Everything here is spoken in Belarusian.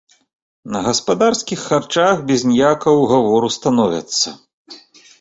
На гаспадарскіх харчах без ніякага ўгавору становяцца.